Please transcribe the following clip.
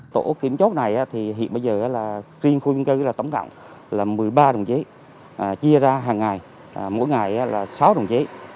tổ kiểm soát này thì hiện bây giờ là riêng khu dân cư là tổng cộng là một mươi ba đồng giấy chia ra hàng ngày mỗi ngày là sáu đồng giấy